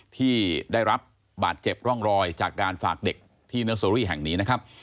ที่ได้รับบาดเจ็บร่องรอยจากการฝากเด็กที่เนอร์เซอรี่แห่งนี้นะครับ